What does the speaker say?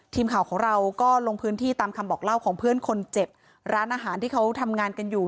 ทีมข่าวของเราก็ลงพื้นที่ตามคำบอกเล่าของเพื่อนคนเจ็บร้านอาหารที่เขาทำงานกันอยู่